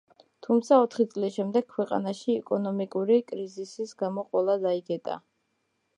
თუმცა, ოთხი წლის შემდეგ, ქვეყანაში ეკონომიკური კრიზისის გამო ყველა დაიკეტა.